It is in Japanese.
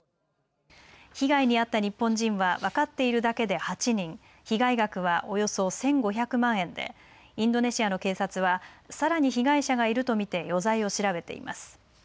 被害に遭った日本人は分かっているだけで８人、被害額はおよそ１５００万円でインドネシアの警察はさらに被害者がいると見て余罪を調べています。